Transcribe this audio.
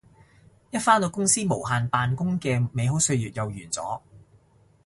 一返到公司無限扮工嘅美好歲月又完咗